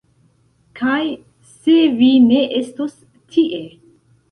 Kaj se vi ne estos tie!